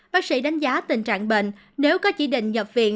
bác sĩ đánh giá tình trạng bệnh nếu có chỉ định nhập viện